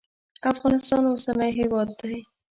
افغانستان اوسنی هیواد دی.